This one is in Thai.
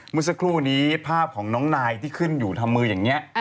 เมื่อสักครู่นี้ภาพของน้องนายที่ขึ้นอยู่ทำมืออย่างนี้